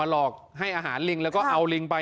หลอกให้อาหารลิงแล้วก็เอาลิงไป